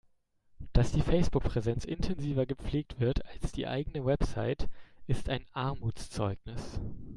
Dass die Facebook-Präsenz intensiver gepflegt wird als die eigene Website, ist ein Armutszeugnis.